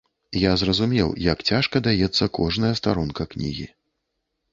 Я зразумеў, як цяжка даецца кожная старонка кнігі.